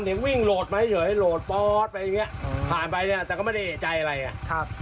ยังวิ่งโหลดมาเฉยโหลดปอดไปอย่างเงี้ยผ่านไปเนี่ยแต่ก็ไม่ได้เอกใจอะไรอ่ะครับ